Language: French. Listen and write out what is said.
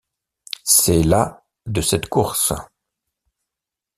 C'est la de cette course.